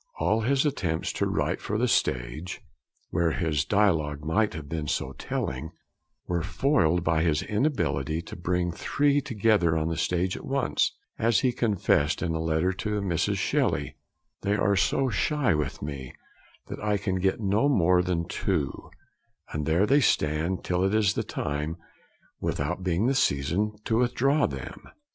All his attempts to write for the stage (where his dialogue might have been so telling) were foiled by his inability to 'bring three together on the stage at once,' as he confessed in a letter to Mrs. Shelley; 'they are so shy with me, that I can get no more than two; and there they stand till it is the time, without being the season, to withdraw them.'